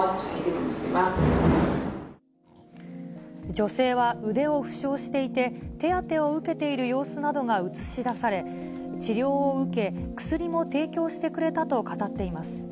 女性は、腕を負傷していて、手当てを受けている様子などが映し出され、治療を受け、薬も提供してくれたと語っています。